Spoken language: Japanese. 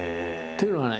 というのはね